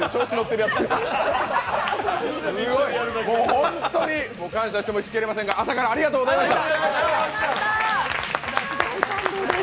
もうほんっとに感謝してもしきれませんが、朝からありがとうございました。